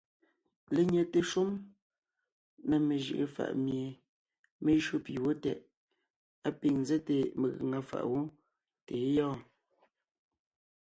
Lenyɛte shúm na mejʉʼʉ faʼ mie mé jÿó pì wó tɛʼ, á pîŋ nzɛ́te megaŋa fàʼ wó tà é gyɔɔn.